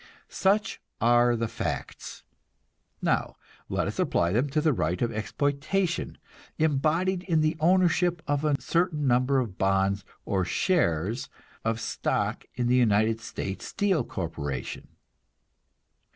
Such are the facts; now let us apply them to the right of exploitation, embodied in the ownership of a certain number of bonds or shares of stock in the United States Steel Corporation.